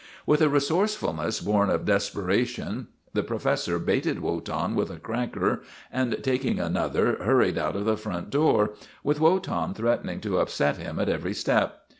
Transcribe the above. With a resourcefulness born of desperation the professor baited Wotan with a cracker, and taking another, hurried out of 220 WOTAN, THE TERRIBLE the front door, with Wotan threatening to upset him at every step.